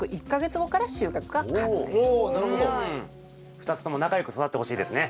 ２つとも仲よく育ってほしいですね。